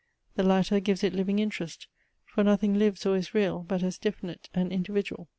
The latter gives it living interest; for nothing lives or is real, but as definite and individual.